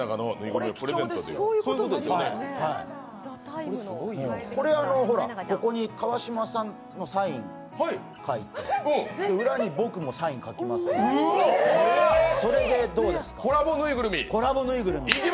これ貴重ですよ、これはほら、ここに川島さんのサイン書いて、裏に僕もサイン書きますので、それでどうですか？